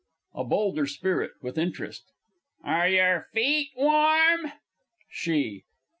A BOLDER SPIRIT (with interest). Are your feet warm? SHE.